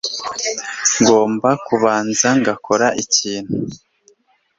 ngomba kubanza gukora ikintu